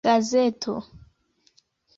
gazeto